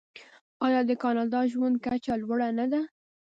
آیا د کاناډا ژوند کچه لوړه نه ده؟